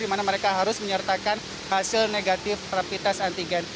di mana mereka harus menyertakan hasil negatif rapites antigen